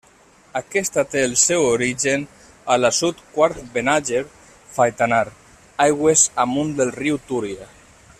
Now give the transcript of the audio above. Aquesta té el seu origen a l'assut Quart-Benàger-Faitanar, aigües amunt del riu Túria.